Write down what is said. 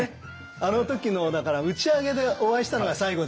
あの時のだから打ち上げでお会いしたのが最後ですね。